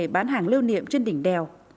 bán hàng lưu niệm trên đỉnh đèo